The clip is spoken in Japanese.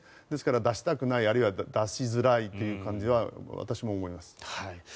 ですから出したくないあるいは出しづらいというのは私も思います。